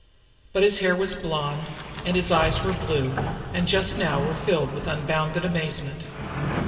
But his hair was blond, and his eyes were blue, and just now they were filled with unbounded amazement.